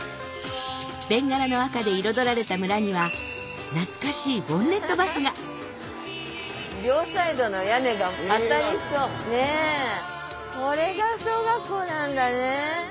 ベンガラの赤で彩られた村には懐かしいボンネットバスが両サイドの屋根が当たりそうねぇ。これが小学校なんだね。